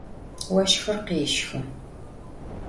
Voşxır khêşxı.